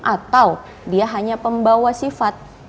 atau dia hanya pembawa sifat